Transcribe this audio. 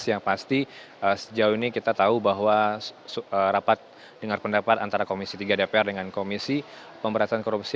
yang pasti sejauh ini kita tahu bahwa rapat dengar pendapat antara komisi tiga dpr dengan komisi pemberantasan korupsi